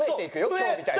今日みたいに。